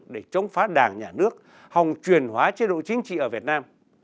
để chống phá đảng nhà nước hòng truyền hóa chế độ chính trị ở việt nam